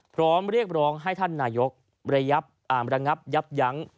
พร้อมเรียกร้องให้ท่านนายกระงับยับยั้ง